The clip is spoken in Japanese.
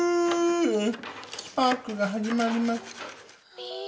スパークが始まります。